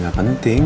ya gak penting